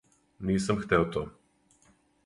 Нисам хтео то.